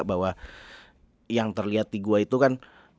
bahwa yang terlihat di gua itu kan